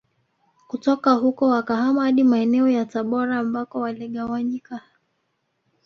Kutoka huko wakahama hadi maeneo ya Tabora ambako waligawanyika